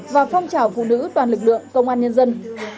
và phong trào phụ nữ toàn lực lượng công an nhân dân